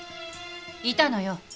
いたのよ。